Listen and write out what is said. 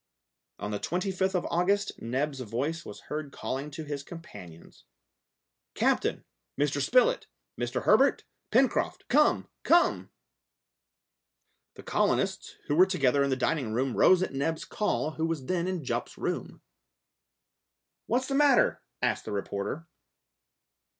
On the 25th of August Neb's voice was heard calling to his companions. "Captain, Mr. Spilett, Mr. Herbert, Pencroft, come! come!" The colonists, who were together in the dining room, rose at Neb's call, who was then in Jup's room. "What's the matter?" asked the reporter.